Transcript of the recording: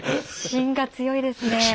芯が強いですねぇ。